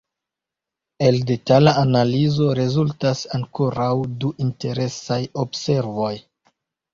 El detala analizo rezultas ankoraŭ du interesaj observoj.